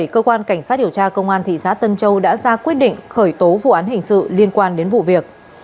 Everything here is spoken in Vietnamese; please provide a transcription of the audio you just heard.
cơ quan cảnh sát điều tra công an thị xã tân châu đã ra quyết định khởi tố vụ án hình sự liên quan đến vụ việc